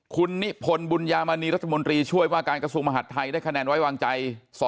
คุณนิพนธ์บุญยามณีรัฐมนตรีช่วยว่าการกระทรวงมหาดไทยได้คะแนนไว้วางใจ